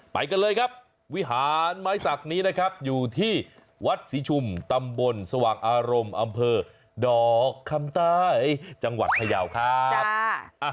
ไปกันเลยครับวิหารไม้สักนี้นะครับอยู่ที่วัดศรีชุมตำบลสว่างอารมณ์อำเภอดอกคำใต้จังหวัดพยาวครับ